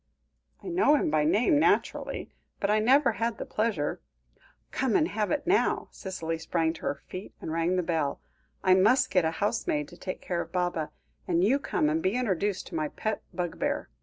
"I know him by name, naturally; but I never had the pleasure " "Come and have it now." Cicely sprang to her feet, and rang the bell. "I must get a housemaid to take care of Baba; and you come and be introduced to my pet bugbear.